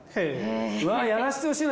うわやらせてほしいな。